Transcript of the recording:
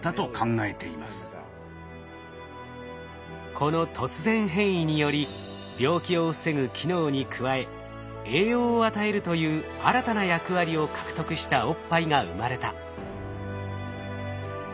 この突然変異により病気を防ぐ機能に加え栄養を与えるという新たな役割を獲得したおっぱいが生まれた。